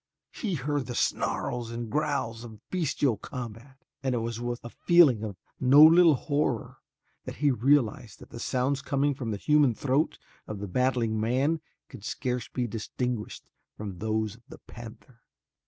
He heard the snarls and growls of bestial combat, and it was with a feeling of no little horror that he realized that the sounds coming from the human throat of the battling man could scarce be distinguished from those of the panther.